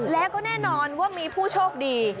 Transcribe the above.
แล้วก็แน่นอนว่ามีผู้โชคดี